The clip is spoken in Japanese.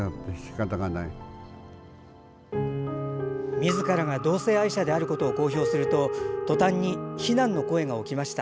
みずからが同性愛者であることを公表すると途端に非難の声が起きました。